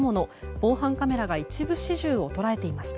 防犯カメラが一部始終を捉えていました。